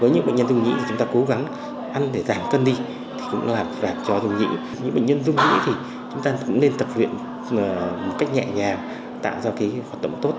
những bệnh nhân rung nhĩ chúng ta cũng nên tập luyện một cách nhẹ nhàng tạo ra hoạt động tốt